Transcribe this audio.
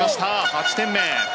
８点目。